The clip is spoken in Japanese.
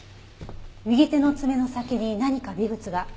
右手の爪の先に何か微物が。